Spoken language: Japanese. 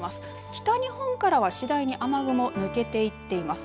北日本からは次第に雨雲、抜けていっています。